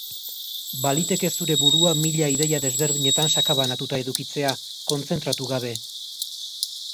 Baliteke zure burua mila ideia desberdinetan sakabanatuta edukitzea, kontzentratu gabe.